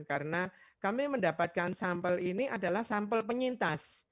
karena kami mendapatkan sampel ini adalah sampel penyintas